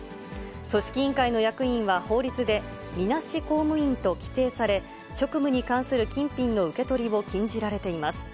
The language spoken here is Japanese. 組織委員会の役員は法律で、みなし公務員と規定され、職務に関する金品の受け取りを禁じられています。